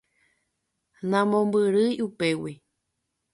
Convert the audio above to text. Namombyrýi upégui.